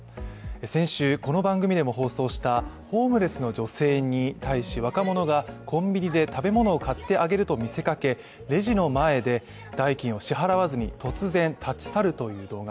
先週、この番組でも放送したホームレスの女性に対し、若者がコンビニで食べ物を買ってあげると見せかけレジの前で代金を支払わずに突然立ち去るという動画。